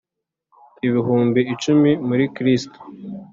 ibihumbi icumi muri Kristo